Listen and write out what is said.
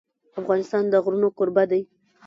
افغانستان د غرونه کوربه دی.